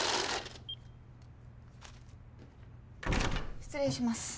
失礼します。